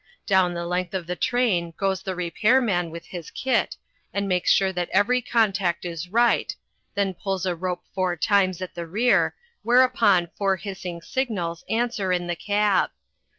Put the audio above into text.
Down the length of the train goes the repair man with his kit, and makes sure that every contact is right, then pulls a rope four times at the rear, whereupon four hissing signals answer in the cab.